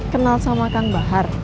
kenal sama kang bahar